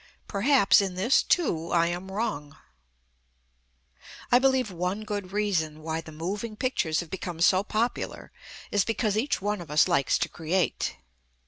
Perhaps in this too I am wrong. I believe one good reason why the moving pictures have become so popular is because each one of us likes to create.